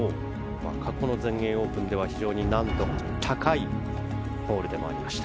過去の全英オープンでは非常に難度の高いホールでもありました。